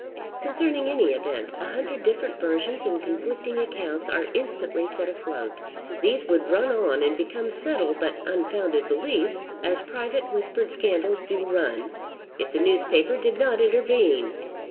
Concerning any event, a hundred different versions and conflicting accounts are instantly set afloat. These would run on, and become settled but unfounded beliefs, as private whispered scandals do run, if the newspaper did not intervene.